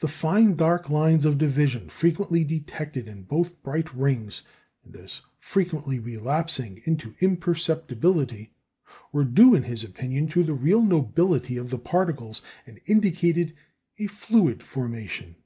The fine dark lines of division, frequently detected in both bright rings, and as frequently relapsing into imperceptibility, were due, in his opinion, to the real nobility of their particles, and indicated a fluid formation.